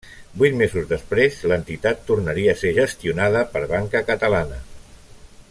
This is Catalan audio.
Vuit mesos després l'entitat tornaria a ser gestionada per Banca Catalana.